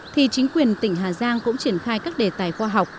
thì chính quyền tỉnh hà giang cũng triển khai các đề tài khoa học